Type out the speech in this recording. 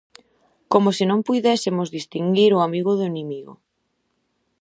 Como se non puidésemos distinguir o amigo do inimigo.